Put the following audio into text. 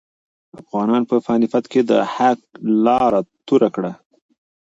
افغانانو په پاني پت کې د حق لاره توره کړه.